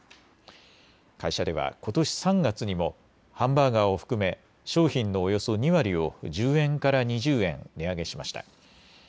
会社ではことし３月にもハンバーガーを含め商品のおよそ２割を１０円から２０円値上げしました。